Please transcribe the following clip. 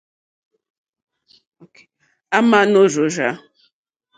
À mà nò rzòrzá.